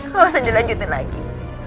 gak usah dilanjutin lagi